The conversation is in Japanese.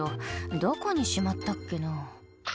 どこにしまったっけな？」